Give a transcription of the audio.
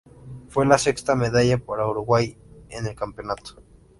Fue la sexta medalla para Uruguay en el campeonato.